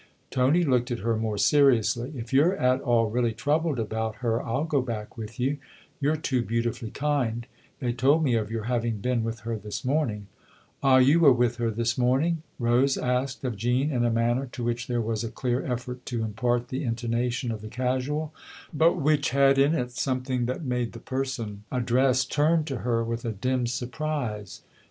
Tony looked at her more seriously. "If you're at all really troubled about her I'll go back with you. You're too beautifully kind ; they told me of your having been with her this morning." "Ah, you were with her this morning?" Rose asked of Jean in a manner to which there was a clear effort to impart the intonation of the casual, but which had in it something that made the person addressed 146 THE OTHER HOUSE turn to her with a dim surprise.